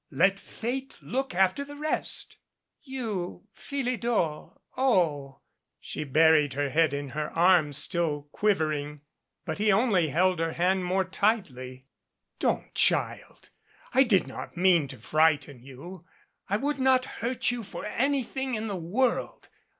Let Fate look after the rest " "You, Philidor. Oh " 175 MADCAP She buried her head in her arms still quivering, but he only held her hand more tightly. "Don't, child. I did not mean to frighten you. I would not hurt you for anything in the world.